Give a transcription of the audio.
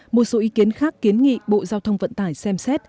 một số ý kiến khác kiến nghị bộ giao thông vận tải xem xét